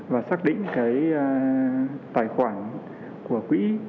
và xác định cái tài khoản của quỹ